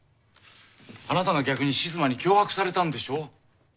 あなたが逆に静馬に脅迫されたんでしょう。